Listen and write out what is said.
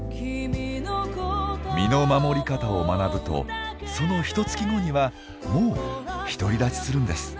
身の守り方を学ぶとそのひとつき後にはもう独り立ちするんです。